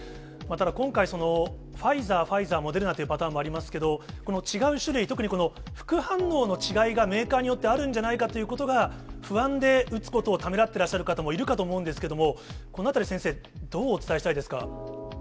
ただ、今回、ファイザー、ファイザー、モデルナというパターンもありますけど、この違う種類、特に副反応の違いがメーカーによってあるんじゃないかということが不安で、打つことをためらってらっしゃる方もいるかと思うんですけれども、このあたり、先生、どうお伝えしたらいいですか。